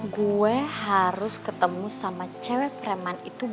gue harus ketemu sama cewek preman itu